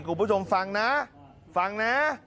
คุณผู้ชมฟังนะฟังนะ